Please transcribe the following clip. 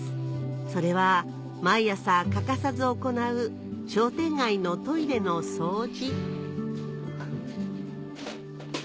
それは毎朝欠かさず行う商店街のトイレの掃除